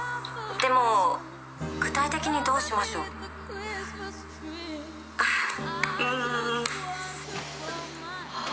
でも具体的にどうしましょう？ああ。